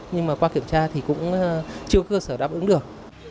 nhưng mà qua kiểm tra thì cũng chưa cơ sở đáp ứng được